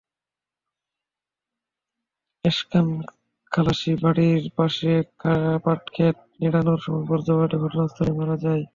এসকান খালাসী বাড়ির পাশে পাটখেত নিড়ানোর সময় বজ্রপাতে ঘটনাস্থলেই মারা যান।